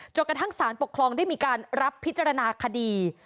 กระทั่งสารปกครองได้มีการรับพิจารณาคดี